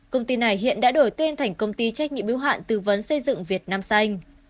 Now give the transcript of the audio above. công ty này hiện đã đổi tên thành công ty trách nhiệm biêu hạn tư vấn xây dựng việt nam xanh